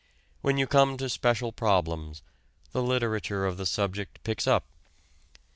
When you come to special problems, the literature of the subject picks up.